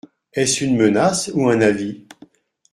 Est-ce une menace ou un avis ?